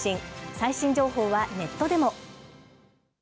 最新情報はネットでも。